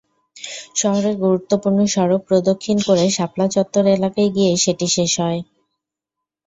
শহরের গুরুত্বপূর্ণ সড়ক প্রদক্ষিণ করে শাপলা চত্বর এলাকায় গিয়ে সেটি শেষ হয়।